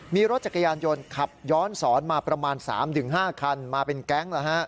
มีรถจักรยานยนต์ขับย้อนสอนมาประมาณ๓๕คันมาเป็นแก๊ง